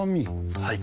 はい。